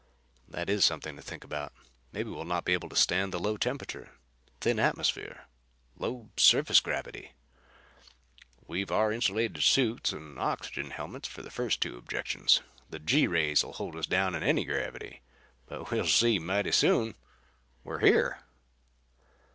"That is something to think about. Maybe we'll not be able to stand the low temperature; thin atmosphere; low surface gravity." "We've our insulated suits and the oxygen helmets for the first two objections. The G rays'll hold us down in any gravity. But we'll see mighty soon. We're here."